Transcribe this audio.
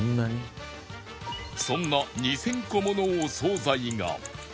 そんな２０００個ものお惣菜が